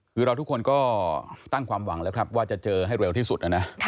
คือเราทุกคนก็ตั้งความหวังแล้วครับว่าจะเจอให้เร็วที่สุดนะนะ